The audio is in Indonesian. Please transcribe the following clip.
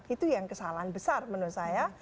itu yang kesalahan besar menurut saya